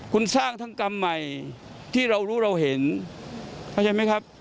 คุณสร้างทั้งกรรมใหม่ที่เรารู้เราเห็นเข้าใจไหมครับ